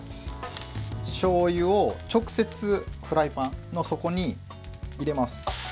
しょうゆを直接フライパンの底に入れます。